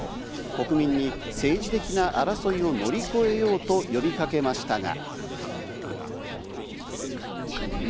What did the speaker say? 国民に政治的な争いを乗り越えようと呼びかけましたが。